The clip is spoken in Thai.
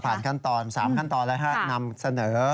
เราผ่านขั้นตอนสามขั้นตอนแล้วนำเสนอ